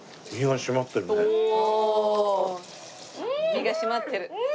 身が締まってる。